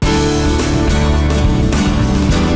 สวัสดีครับ